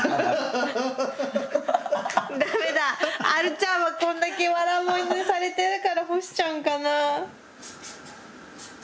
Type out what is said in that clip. ちゃんはこんだけ笑いものにされてるから「ほし」ちゃんかな。